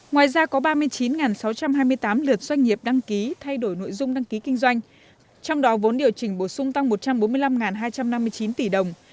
ngoài ra có ba mươi chín sáu trăm hai mươi tám lượt doanh nghiệp đăng ký thay đổi nội dung đăng ký kinh doanh trong đó vốn điều chỉnh bổ sung tăng một trăm bốn mươi năm hai trăm năm mươi chín tỷ đồng